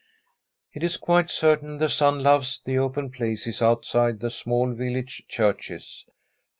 IV It is quite certain the sun loves the open places outside the small village churches.